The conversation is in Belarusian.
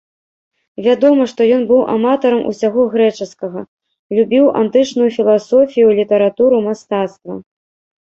Вядома, што ён быў аматарам усяго грэчаскага, любіў антычную філасофію, літаратуру, мастацтва.